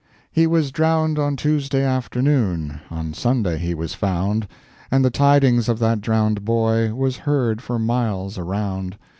"He was drowned on Tuesday afternoon, On Sunday he was found, And the tidings of that drowned boy Was heard for miles around.